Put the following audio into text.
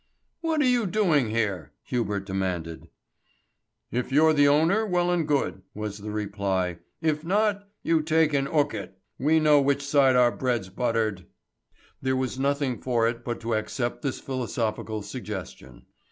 "What are you doing here?" Hubert demanded. "If you're the owner well and good," was the reply. "If not, you take an' 'ook it. We know which side our bread's buttered." There was nothing for it but to accept this philosophical suggestion.